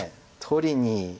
取りに。